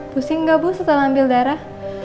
pusing gak bu setelah ambil darah